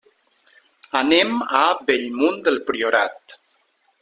Anem a Bellmunt del Priorat.